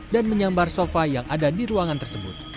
dan menyambar sofa yang ada di ruangan tersebut